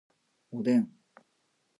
おでん